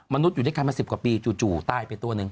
มนุษย์อยู่ด้วยกันมา๑๐กว่าปีจู่ใต้ไปตัวหนึ่ง